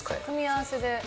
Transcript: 組み合わせで。